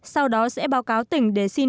sau đó sẽ báo cáo tỉnh để xin